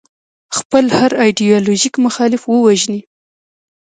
خپل هر ایدیالوژیک مخالف ووژني.